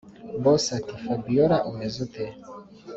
boss ati”fabiora umeze ute”